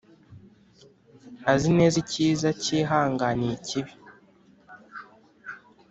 azi neza icyiza cyihanganiye ikibi